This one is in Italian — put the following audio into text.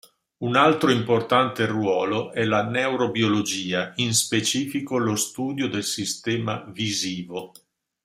Un altro importante ruolo è la neurobiologia, in specifico lo studio del sistema visivo.